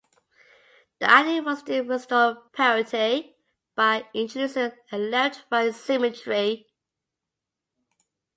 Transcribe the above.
The idea was to restore parity by introducing a left-right symmetry.